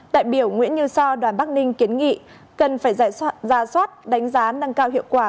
đại biểu nguyễn như so đoàn bắc ninh kiến nghị cần phải ra soát đánh giá nâng cao hiệu quả